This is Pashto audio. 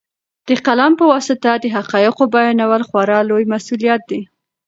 د قلم په واسطه د حقایقو بیانول خورا لوی مسوولیت دی.